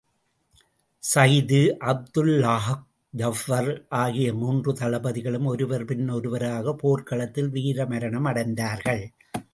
ஸைது, Abdullah, Jafar ஆகிய மூன்று தளபதிகளும் ஒருவர் பின் ஒருவராகப் போர்க் களத்தில் வீர மரணம் அடைந்தார்கள்.